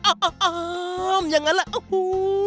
อะอะอะยังงั้นละโอ้โห